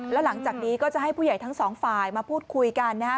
แล้วหลังจากนี้ก็จะให้ผู้ใหญ่ทั้งสองฝ่ายมาพูดคุยกันนะฮะ